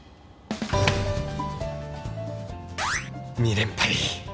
２連敗